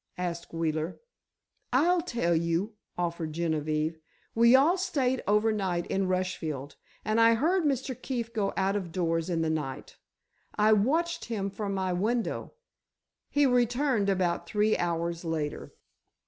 asked Wheeler. "I'll tell you," offered Genevieve. "We all staid over night in Rushfield, and I heard Mr. Keefe go out of doors in the night. I watched him from my window. He returned about three hours later."